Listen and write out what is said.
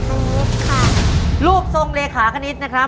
คุณยายแจ้วเลือกตอบจังหวัดนครราชสีมานะครับ